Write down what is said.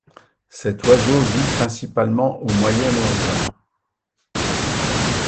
Cet oiseau vit principalement au Moyen-Orient.